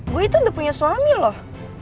gue itu udah punya suami loh